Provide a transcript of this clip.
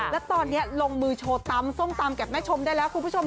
และตอนนี้ลงมือโชว์ตำส้มตำกับแม่ชมได้แล้วคุณผู้ชม